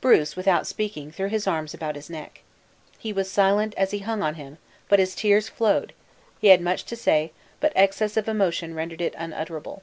Bruce, without speaking, threw his arms about his neck. He was silent, as he hung on him, but his tears flowed; he had much to say, but excess of emotion rendered it unutterable.